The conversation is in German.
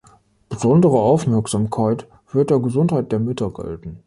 Besondere Aufmerksamkeit wird der Gesundheit der Mütter gelten.